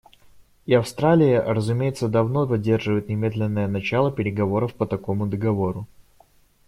И Австралия, разумеется, давно поддерживает немедленное начало переговоров по такому договору.